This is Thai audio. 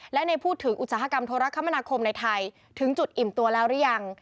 และในพูดถึงอุตสาหกรรมโทรคมนาคมในไทยถึงจุดอิ่มตัวแล้วหรือยัง